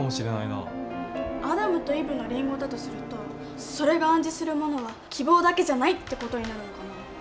アダムとイブのリンゴだとするとそれが暗示するものは希望だけじゃないって事になるのかな。